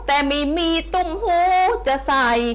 แต่ไม่มีตุ้มหูจะใส่